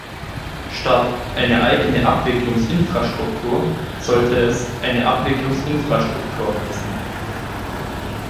Statt "eine eigene Abwicklungsinfrastruktur" sollte es "eine Abwicklungsinfrastruktur" heißen.